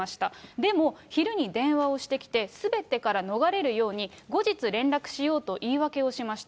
でも昼に電話をしてきて、すべてから逃れるように、後日連絡しようと言い訳をしました。